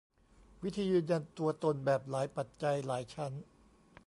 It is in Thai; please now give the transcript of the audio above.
วิธียืนยันตัวตนแบบ "หลายปัจจัย" หลายชั้น